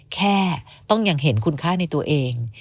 แค่ต้องยังเห็นคุณค่าในตัวเอง